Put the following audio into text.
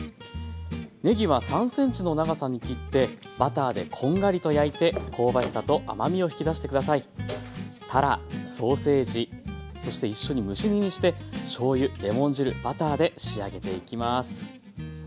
ねぎは３ｃｍの長さに切ってバターでこんがりと焼いて香ばしさと甘みを引き出して下さい。たらソーセージそして一緒に蒸し煮にしてしょうゆレモン汁バターで仕上げていきます。